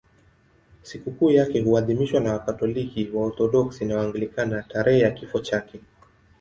Sikukuu yake huadhimishwa na Wakatoliki, Waorthodoksi na Waanglikana tarehe ya kifo chake.